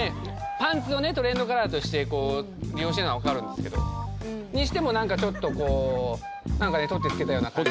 パンツをねトレンドカラーとしてこう利用してるのは分かるんですけどにしても何かちょっとこう何か取って付けたような感じ